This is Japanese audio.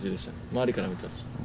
周りから見たら。